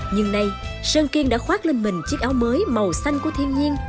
nhưng nay sơn kiên đã khoác lên mình chiếc áo mới màu xanh của thiên nhiên